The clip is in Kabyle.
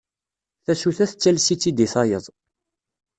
Tasuta tettales-itt-id i tayeḍ.